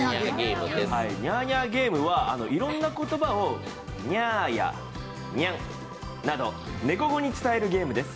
「ニャーニャーゲーム」はいろんな言葉をニャーやニャンなど猫語で伝えるゲームです。